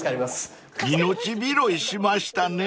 ［命拾いしましたね］